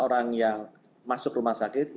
orang yang masuk rumah sakit